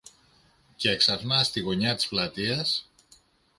Κι έξαφνα, στη γωνιά της πλατείας